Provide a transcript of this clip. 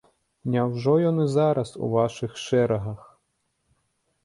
Няўжо ён і зараз у вашых шэрагах?